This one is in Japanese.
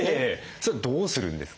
それどうするんですか？